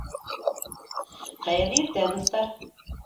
Хәйерле иртә, дуҫтар!